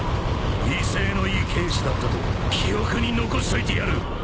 威勢のいい剣士だったと記憶に残しといてやる。